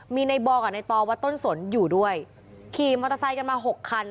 มีในบอกับในตอวัดต้นสนอยู่ด้วยขี่มอเตอร์ไซค์กันมาหกคัน